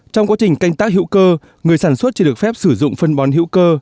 trong quá trình canh tác hữu cơ người sản xuất chỉ được phép sử dụng phân bón hữu cơ